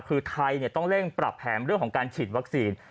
คือไทยต้องเร่งปรับแผนเรื่องของการฉีดวัคซีน